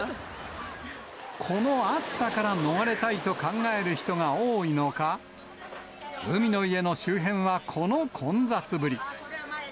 この暑さから逃れたいと考える人が多いのか、海の家の周辺はこの混雑ぶり。